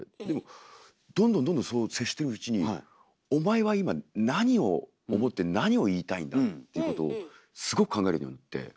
でもどんどんどんどんそう接していくうちにお前は今何を思って何を言いたいんだっていうことをすごく考えるようになって。